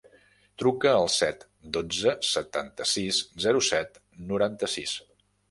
Truca al set, dotze, setanta-sis, zero, set, noranta-sis.